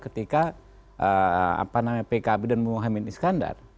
ketika pkb dan muhammad iskandar